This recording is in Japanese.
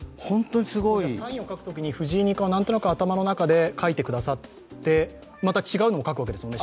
サインを書くときに、藤井二冠は何となく頭の中で書いてくださって、また違うのも書くわけですよね。